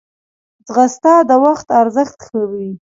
ځغاسته د وخت ارزښت ښووي